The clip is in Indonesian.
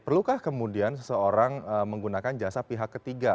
perlukah kemudian seseorang menggunakan jasa pihak ketiga